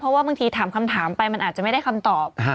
เพราะว่าบางทีถามคำถามไปมันอาจจะไม่ได้คำตอบ